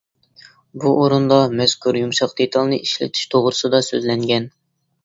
بۇ ئورۇندا مەزكۇر يۇمشاق دېتالنى ئىشلىتىش توغرىسىدا سۆزلەنگەن.